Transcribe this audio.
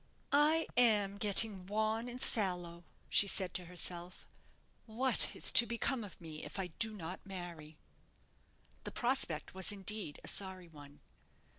"I am getting wan and sallow," she said to herself; "what is to become of me if I do not marry?" The prospect was indeed a sorry one.